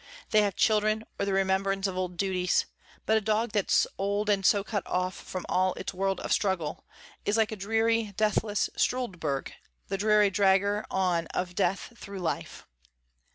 They have children or the remembrance of old duties, but a dog that's old and so cut off from all its world of struggle, is like a dreary, deathless Struldbrug, the dreary dragger on of death through life.